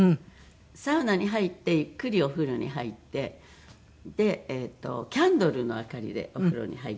サウナに入ってゆっくりお風呂に入ってでキャンドルの明かりでお風呂に入って。